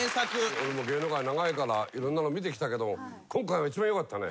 俺も芸能界長いからいろんなの見てきたけど今回一番よかったね。